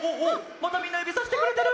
またみんなゆびさしてくれてる！